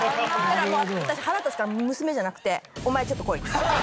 私腹立つから娘じゃなくて「お前ちょっと来い」って。